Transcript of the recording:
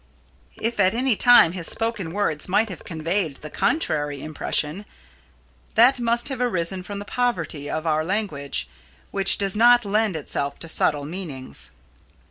If at any time his spoken words might have conveyed the contrary impression, that must have arisen from the poverty of our language, which does not lend itself to subtle meanings.